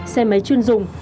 xe máy chuyên dùng